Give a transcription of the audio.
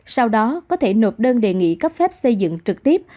sau đó có thể nộp đơn đề nghị cấp phép xây dựng trực tiếp